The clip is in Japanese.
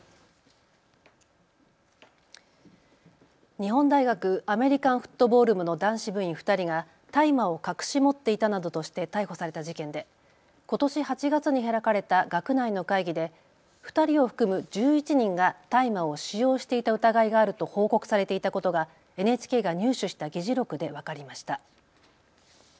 日本大学アメリカンフットボール部の男子部員２人が大麻を隠し持っていたなどとして逮捕された事件でことし８月に開かれた学内の会議で２人を含む１１人が大麻を使用していた疑いがあると報告されていたことがＮＨＫが入手した議事録で分かりました。